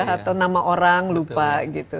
atau nama orang lupa gitu